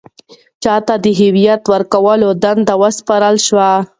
چا ته د هدایت ورکولو دنده وسپارل شوه؟